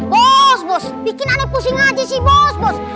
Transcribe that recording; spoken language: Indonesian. bos bos bikin aneh pusing aja si bos bos